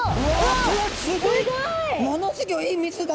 ものすギョい水が。